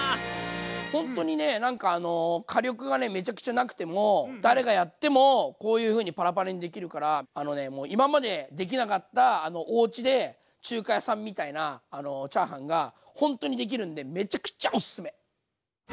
ほんとに火力がめちゃくちゃなくても誰がやってもこういうふうにパラパラにできるからあのねもう今までできなかったおうちで中華屋さんみたいなチャーハンがほんとにできるんでめちゃくちゃおすすめ！